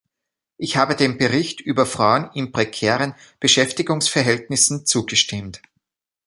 Ich habe dem Bericht über Frauen in prekären Beschäftigungsverhältnissen zugestimmt.